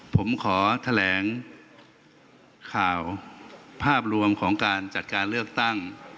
ผมขอแถลงข่าวภาพรวมของการจัดการเลือกตั้ง